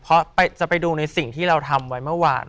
เพราะจะไปดูในสิ่งที่เราทำไว้เมื่อวาน